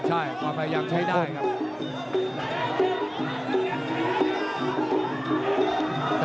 ใช่ความพยายามใช้ได้ครับ